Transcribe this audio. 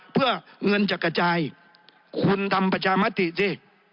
เพื่อเงินจะกระจายคุณทำประชามติสิ